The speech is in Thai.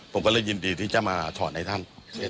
ผมก็เลยยินดีที่จะมาถอนให้ท่าน